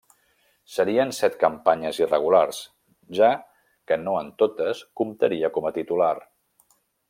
Serien set campanyes irregulars, ja que no en totes comptaria com a titular.